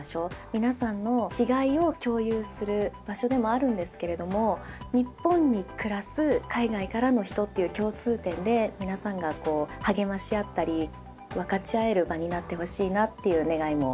皆さんの違いを共有する場所でもあるんですけれども日本に暮らす海外からの人という共通点で皆さんがこう励まし合ったり分かち合える場になってほしいなという願いもありました。